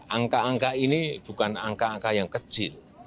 angka angka ini bukan angka angka yang kecil